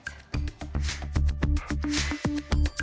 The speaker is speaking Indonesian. terima kasih j j